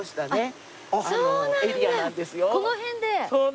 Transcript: そうなんだ。